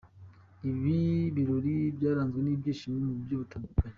Ibi birori byaranzwe n'ibyishimo mu buryo butandukanye.